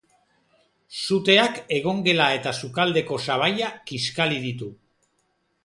Suteak egongela eta sukaldeko sabaia kiskali ditu.